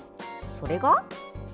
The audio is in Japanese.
それが。